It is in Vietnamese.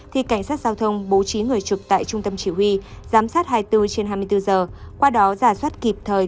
thì cảnh sát giao thông bố trí người trực tại trung tâm chỉ huy giám sát hai mươi bốn trên hai mươi bốn giờ qua đó giả soát kịp thời